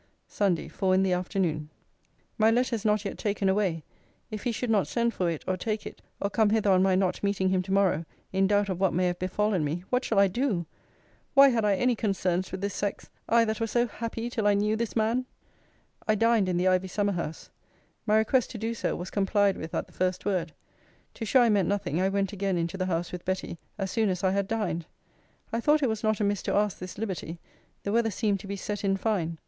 SUNDAY, FOUR IN THE AFTERNOON. My letter is not yet taken away If he should not send for it, or take it, or come hither on my not meeting him to morrow, in doubt of what may have befallen me, what shall I do! Why had I any concerns with this sex! I, that was so happy till I knew this man! I dined in the ivy summer house. My request to do so, was complied with at the first word. To shew I meant nothing, I went again into the house with Betty, as soon as I had dined. I thought it was not amiss to ask this liberty; the weather seemed to be set in fine.